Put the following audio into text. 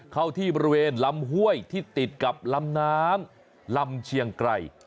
เข้าที่บริเวณลำห้วยที่ติดกับลำน้ำลำเชียงไกร